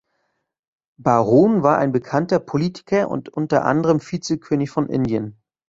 Baron war ein bekannter Politiker und unter anderem Vizekönig von Indien.